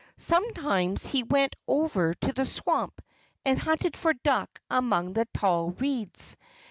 Sometimes he went over to the swamp and hunted for duck among the tall reeds.